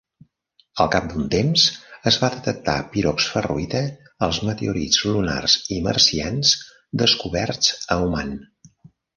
Al cap d'un temps, es va detectar piroxferroïta als meteorits lunars i marcians descoberts a Oman.